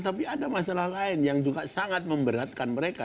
tapi ada masalah lain yang juga sangat memberatkan mereka